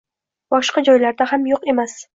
Boshqa joylarda ham yo'q emas